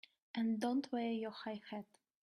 And don't wear your high hat!